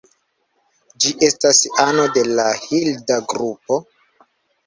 Ĝi estas ano de la Hilda grupo.